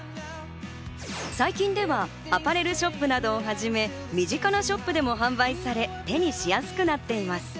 最近ではアパレルショップなどをはじめ身近なショップでも販売され手にしやすくなっています。